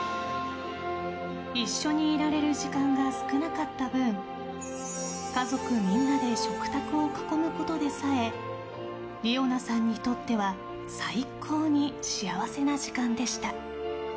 一緒にいられる時間が少なかった分家族みんなで食卓を囲むことでさえ梨生奈さんにとっては最高に幸せな時間でした。